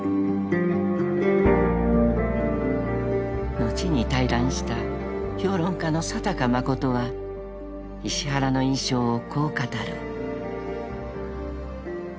［後に対談した評論家の佐高信は石原の印象をこう語る］